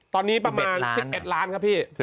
ตอนนี้ประมาณ๑๑ล้านครับพี่